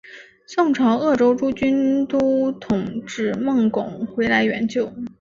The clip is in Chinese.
宋朝鄂州诸军都统制孟珙回来援救。